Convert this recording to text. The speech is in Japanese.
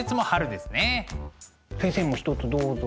先生も一つどうぞ。